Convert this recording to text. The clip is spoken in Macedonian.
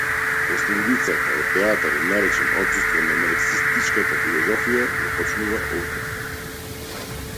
Последицата од театарот наречен отсуство на марксистичката филозофија, започнува овде.